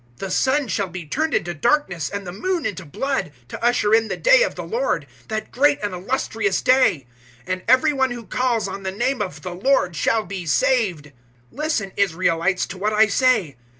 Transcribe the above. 002:020 The sun shall be turned into darkness and the moon into blood, to usher in the day of the Lord that great and illustrious day; 002:021 and every one who calls on the name of the Lord shall be saved.' 002:022 "Listen, Israelites, to what I say.